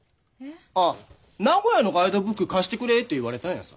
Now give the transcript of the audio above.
ああ名古屋のガイドブック貸してくれって言われたんやさ。